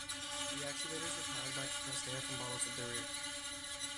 The actuators were powered by compressed air from bottles at the rear.